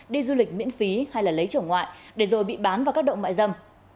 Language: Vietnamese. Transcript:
đi du lịch miễn phí hay là lấy chỗ ngoại để rồi bị bán vào các động mại dâm